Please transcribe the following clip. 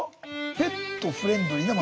「ペットフレンドリーな街」。